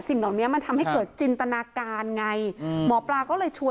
คุณปุ้ยอายุ๓๒นางความร้องไห้พูดคนเดี๋ยว